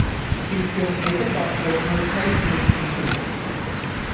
別用你的角度去批判別人